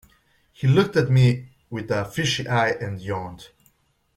He looked at me with a fishy eye and yawned.